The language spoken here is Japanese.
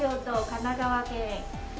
神奈川県